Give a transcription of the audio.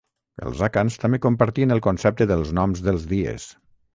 Els àkans també compartien el concepte dels noms dels dies.